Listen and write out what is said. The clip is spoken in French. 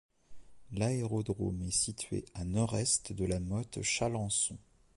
L'aérodrome est situé à Nord-Est de La Motte-Chalancon.